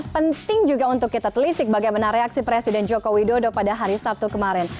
penting juga untuk kita telisik bagaimana reaksi presiden joko widodo pada hari sabtu kemarin